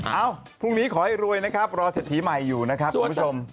เอ้าพรุ่งนี้ขอให้รวยนะครับรอเศรษฐีใหม่อยู่นะครับคุณผู้ชม